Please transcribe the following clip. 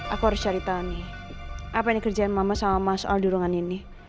aku harus cari tahu nih apa yang dikerjakan mama sama mas al di ruangan ini